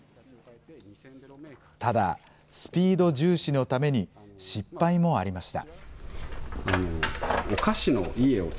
ただ、スピード重視のために失敗もありました。